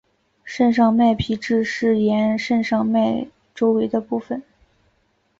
肾上腺皮质是沿肾上腺周围的部分。